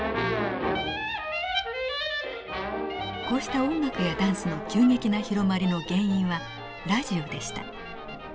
こうした音楽やダンスの急激な広まりの原因はラジオでした。